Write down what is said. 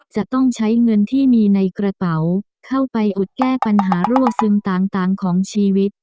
จะต้องใช้เงินที่มีในกระเป๋าเข้าไปอุดแก้ปัญหารั่วซึมต่างของชีวิต